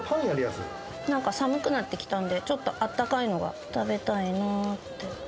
なんか寒くなってきたんで、ちょっとあったかいのが食べたいなって。